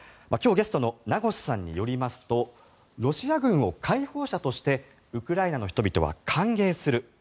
今日、ゲストの名越さんによりますとロシア軍を解放者としてウクライナの人々は歓迎する。